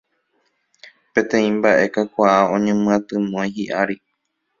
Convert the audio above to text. Peteĩ mbaʼe kakuaa oñemyatymói hiʼári.